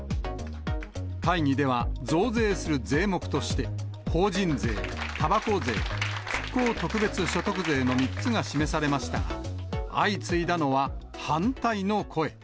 会議では、増税する税目として、法人税、たばこ税、復興特別所得税の３つが示されましたが、相次いだのは、反対の声。